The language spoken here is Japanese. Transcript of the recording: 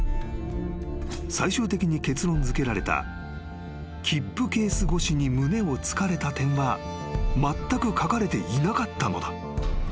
［最終的に結論づけられた切符ケース越しに胸を突かれた点はまったく書かれていなかったのだ］